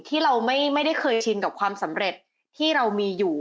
ที่เราไม่ได้เคยชินกับความสำเร็จที่เรามีอยู่